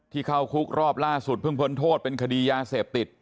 เข้าคุกรอบล่าสุดเพิ่งพ้นโทษเป็นคดียาเสพติด